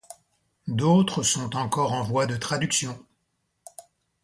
D'autres sont encore en voie de traduction.